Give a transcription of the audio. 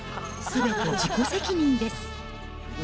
すべて自己責任です。